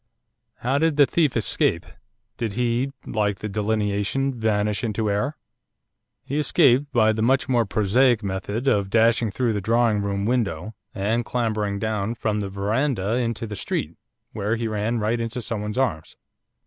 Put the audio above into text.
How did the thief escape, did he, like the delineation, vanish into air?' 'He escaped by the much more prosaic method of dashing through the drawing room window, and clambering down from the verandah into the street, where he ran right into someone's arms.